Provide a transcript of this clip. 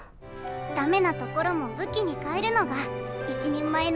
ダメなところも武器に変えるのが一人前のアイドルだよ。